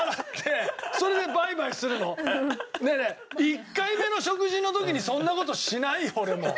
１回目の食事の時にそんな事しないよ俺も。